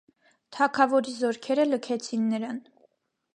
Թագավորի զորքերը լքեցին նրան։